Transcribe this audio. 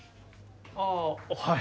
ああはい。